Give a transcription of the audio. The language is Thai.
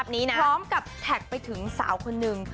พร้อมกับแท็กไปถึงสาวคนนึง